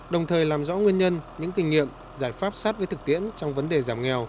đồng thời làm rõ nguyên nhân những kinh nghiệm giải pháp sát với thực tiễn trong vấn đề giảm nghèo